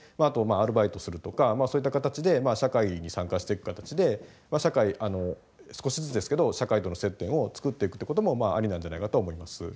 あとアルバイトするとかそういった形で社会に参加していく形で少しずつですけど社会との接点を作っていくってこともありなんじゃないかとは思います。